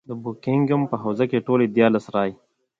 د بوکنګهم په حوزه کې ټولې دیارلس رایې.